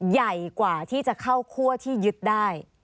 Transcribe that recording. ใหญ่กว่าที่จะเข้าคั่วที่ยึดได้